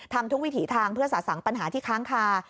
ทำทุกวิถีทางเพื่อสะสังปัญหาที่ค้างคา